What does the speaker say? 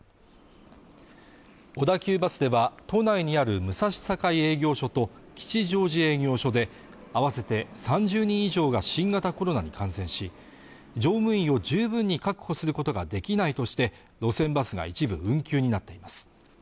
小田急バスでは都内にある武蔵境営業所と吉祥寺営業所で合わせて３０人以上が新型コロナに感染し乗務員を十分に確保することができないとして路線バスが一部運休になっています